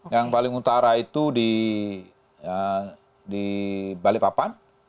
yang paling utara itu di balikpapan